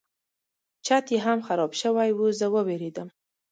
چت یې هم خراب شوی و زه وویرېدم.